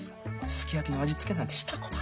すき焼きの味付けなんてしたことありません。